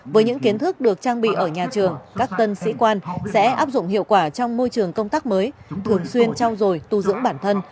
với những kiến thức được trang bị ở nhà trường các tân sĩ quan sẽ áp dụng hiệu quả trong môi trường công tác mới thường xuyên trao dồi tu dưỡng bản thân